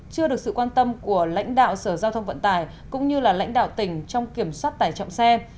chưa được sự quan tâm của lãnh đạo sở giao thông vận tải cũng như là lãnh đạo tỉnh trong kiểm soát tải trọng xe